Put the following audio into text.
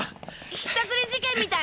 引ったくり事件みたい。